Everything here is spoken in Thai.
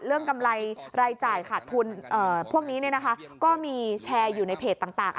กำไรรายจ่ายขาดทุนพวกนี้ก็มีแชร์อยู่ในเพจต่าง